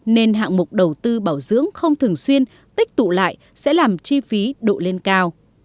nên hạng mục đầu tư bảo dưỡng không thường xuyên tích tụ lại sẽ làm chi phí độ lên cao